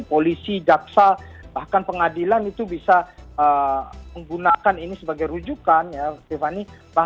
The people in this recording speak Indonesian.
polisi jaksa bahkan pengadilan itu bisa menggunakan ini sebagai rujukan ya tiffany